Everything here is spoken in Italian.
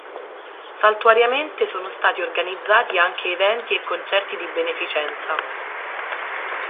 Saltuariamente sono stati organizzati anche eventi e concerti di beneficenza.